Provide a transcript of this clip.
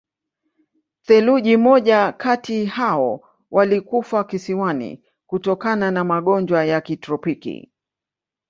Theluji moja kati hao walikufa kisiwani kutokana na magonjwa ya kitropiki.